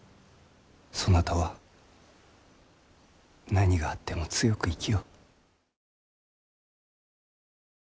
そなたは何があっても強く生きよ。